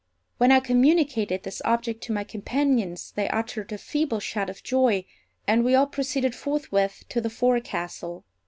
When I communicated this object to my companions, they uttered a feeble shout of joy, and we all proceeded forthwith to the forecastle.